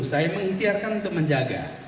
saya mengintiarkan untuk menjaga